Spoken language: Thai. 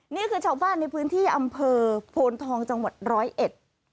นี่คือชาวบ้านในพื้นที่อำเภอโพนทองจังหวัดร้อยเอ็ด